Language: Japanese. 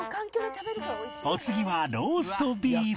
お次はローストビーフ